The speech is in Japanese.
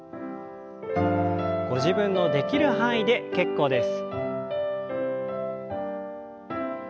ご自分のできる範囲で結構です。